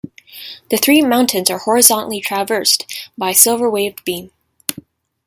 The three mountains are horizontally traversed by a silver waived beam.